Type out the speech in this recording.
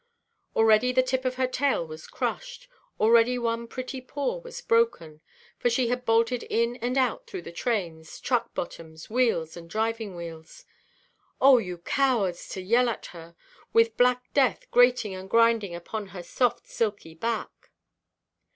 Already the tip of her tail was crushed, already one pretty paw was broken; for she had bolted in and out through the trains, truck bottoms, wheels, and driving–wheels. Oh, you cowards, to yell at her! with black death grating and grinding upon her soft silky back!